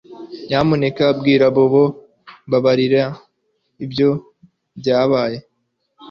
Nyamuneka bwira Bobo Mbabarira ibyo byabaye